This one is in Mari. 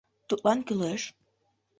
Тудлан кӱлеш.